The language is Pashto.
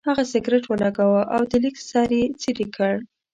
هغه سګرټ ولګاوه او د لیک سر یې څېرې کړ.